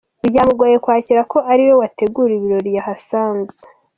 Byamugoye kwakira ko ari we wateguriwe ibirori yahasanze.